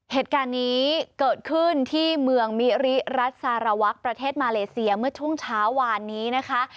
เหตุการณ์นี้เกิดขึ้นที่เมืองมิริรัสสารวักประเทศมาเลเซียเมื่อช่วงเช้าวานนี้นะคะ